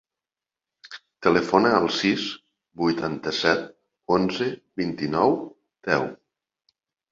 Telefona al sis, vuitanta-set, onze, vint-i-nou, deu.